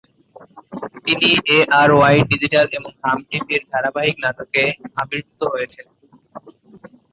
তিনি ARY digital এবং হাম টিভির ধারাবাহিক নাটকে আবির্ভূত হয়েছেন।